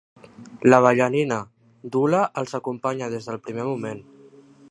La ballarina d'hula els acompanya des del primer moment.